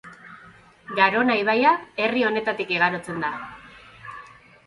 Garona ibaia herri honetatik igarotzen da.